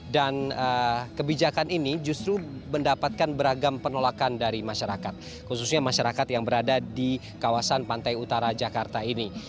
dan kebijakan ini justru mendapatkan beragam penolakan dari masyarakat khususnya masyarakat yang berada di kawasan pantai utara jakarta ini